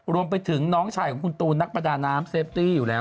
รวมไปถึงน้องชายของคุณตูนนักประดาน้ำเซฟตี้อยู่แล้ว